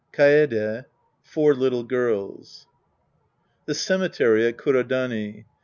Kaede. Four little Girls. {J'he cemetery at Kurodani.